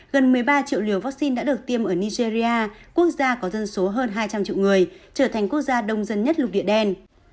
gần một mươi ba triệu liều vaccine đã được tiêm ở nigeria quốc gia có dân số hơn hai trăm linh triệu người trở thành quốc gia đông dân nhất lục địa đen